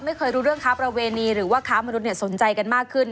ไม่เคยรู้เรื่องค้าประเวณีหรือว่าค้ามนุษย์สนใจกันมากขึ้น